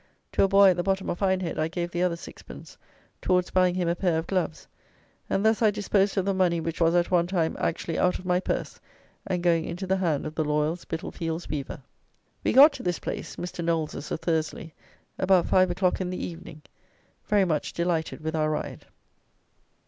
To a boy at the bottom of Hindhead, I gave the other sixpence, towards buying him a pair of gloves; and thus I disposed of the money which was, at one time, actually out of my purse, and going into the hand of the loyal Spitalfields weaver. We got to this place (Mr. Knowles's of Thursley) about 5 o'clock in the evening, very much delighted with our ride.